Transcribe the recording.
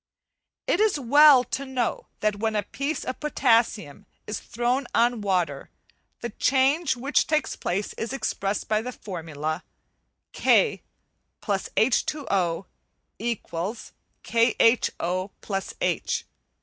It is well to know that when a piece of potassium is thrown on water the change which takes place is expressed by the formula K + H2O = KHO + H.